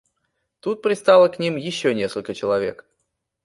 Тут пристало к ним еще несколько человек.